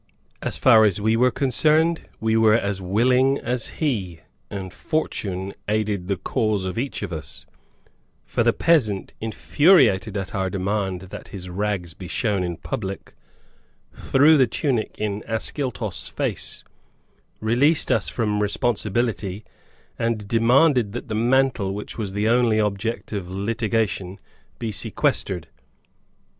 As far as we were concerned, we were as willing as he, and Fortune aided the cause of each of us, for the peasant, infuriated at our demand that his rags be shown in public, threw the tunic in Ascyltos' face, released us from responsibility, and demanded that the mantle, which was the only object of litigation, be sequestered.